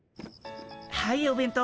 はいお弁当。